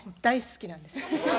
大好きなんです。